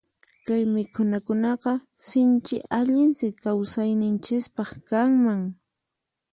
Kay mikhunakunaqa sinchi allinsi kawsayninchispaq kanman.